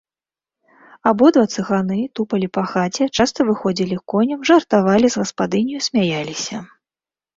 Абодва цыганы тупалі па хаце, часта выходзілі к коням, жартавалі з гаспадыняю, смяяліся.